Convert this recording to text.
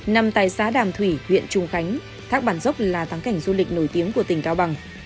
nằm tại xá đàm thủy huyện trung khánh thác bản dốc là tháng cảnh du lịch nổi tiếng của tỉnh cao bằng